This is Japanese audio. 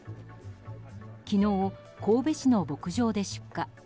昨日、神戸市の牧場で出火。